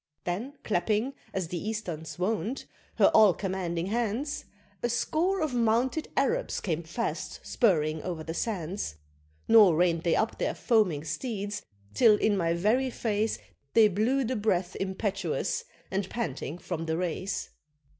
Then clapping, as the Easterns wont, her all commanding hands, A score of mounted Arabs came fast spurring o'er the sands, Nor rein'd they up their foaming steeds till in my very face They blew the breath impetuous, and panting from the race.